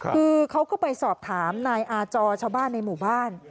คือเขาก็ไปสอบถามนายอาจอชาวบ้านในหมู่บ้าน